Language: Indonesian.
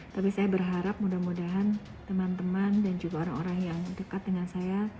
tapi saya berharap mudah mudahan teman teman dan juga orang orang yang dekat dengan saya